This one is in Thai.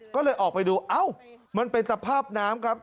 ก็เลยออกไปดูเอ้ามันเป็นสภาพน้ำครับ